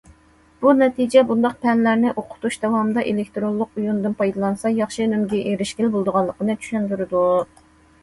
بۇ نەتىجە بۇنداق پەنلەرنى ئوقۇتۇش داۋامىدا ئېلېكتىرونلۇق ئويۇندىن پايدىلانسا ياخشى ئۈنۈمگە ئېرىشكىلى بولىدىغانلىقىنى چۈشەندۈرىدۇ.